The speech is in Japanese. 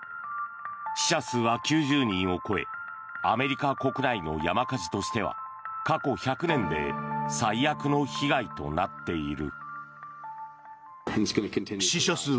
死者数は９０人を超えアメリカ国内の山火事としては過去１００年で最悪の被害となっている。